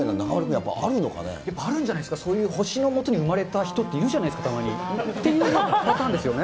やっぱり、あるんじゃないですか、そういう星の下に生まれた人っているじゃないですか、たまに。っていうパターンですよね。